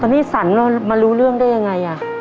ตอนนี้ศัลมาเรียกเรื่องได้ยังไงอะ